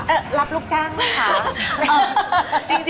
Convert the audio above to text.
เอ่อรับลูกจ้างไหมคะ